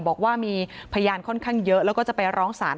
บอกว่ามีพยานค่อนข้างเยอะแล้วก็จะไปร้องศาล